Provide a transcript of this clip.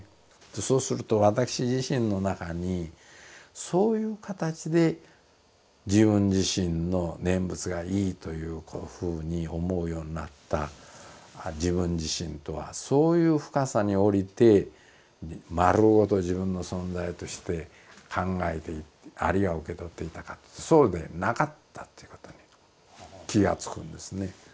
そうすると私自身の中にそういう形で自分自身の念仏がいいというふうに思うようになった自分自身とはそういう深さに下りて丸ごと自分の存在として考えていってあるいは受け取っていたかというとそうでなかったということに気が付くんですね。